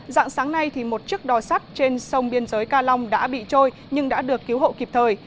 dạng sáng nay một chiếc đò sắt trên sông biên giới ca long đã bị trôi nhưng đã được cứu hộ kịp thời